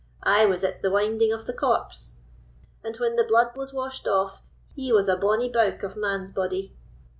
I was at the winding of the corpse; and when the bluid was washed off, he was a bonny bouk of man's body."